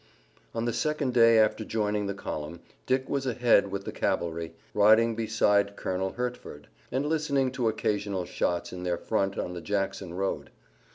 On the second day after joining the column Dick was ahead with the cavalry, riding beside Colonel Hertford, and listening to occasional shots in their front on the Jackson road.